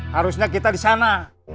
harusnya kita disana